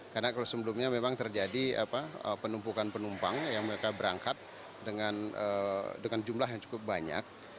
karena kalau sebelumnya memang terjadi penumpukan penumpang yang mereka berangkat dengan jumlah yang cukup banyak